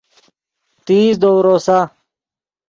تیز دؤ روسا